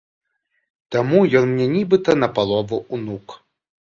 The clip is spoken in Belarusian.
Таму ён мне нібыта напалову ўнук.